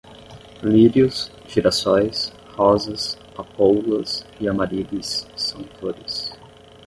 Lírios, girassóis, rosas, papoulas e Amarílis são flores